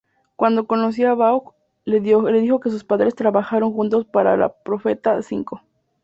Cuando conoció a Vaughn, le dijo que sus padres trabajaron juntos para Profeta Cinco.